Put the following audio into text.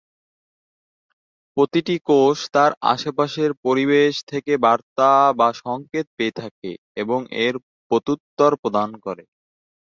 প্রতিটি কোষ তার আশেপাশের পরিবেশ থেকে বার্তা বা সঙ্কেত পেয়ে থাকে এবং এর প্রত্যুত্তর প্রদান করে।